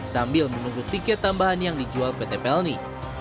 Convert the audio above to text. sambil menunggu tiket tambahan yang dijual pt pelni